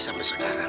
sudah berkah akan